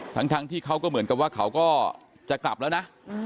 ทั้งที่เขาก็เหมือนกับว่าเขาก็จะกลับแล้วนะ